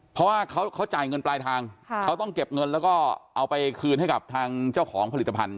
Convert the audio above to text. เพราะว่าเขาจ่ายเงินปลายทางเขาต้องเก็บเงินแล้วก็เอาไปคืนให้กับทางเจ้าของผลิตภัณฑ